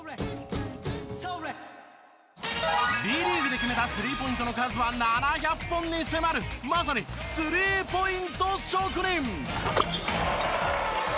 Ｂリーグで決めたスリーポイントの数は７００本に迫るまさにスリーポイント職人。